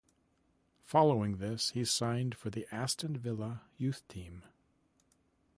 Following this he signed for the Aston Villa youth team.